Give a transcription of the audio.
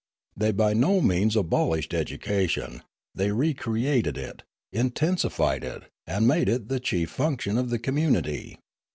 They by no means abolished education ; they recreated it, intensified it, and made it the chief function of the community.